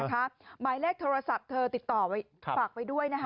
หมายแรกโทรศัพท์เธอติดต่อฝากไว้ด้วย